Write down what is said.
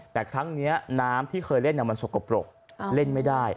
แต่ครั้งนี้น้ำที่เคยเล่นมันสกปรกเล่นไม่ได้